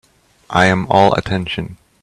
I am all attention.